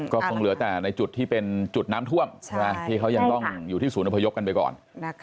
ก็คงเหลือแต่ในจุดที่เป็นจุดน้ำท่วมที่เขายังต้องอยู่ที่ศูนย์อพยพกันไปก่อน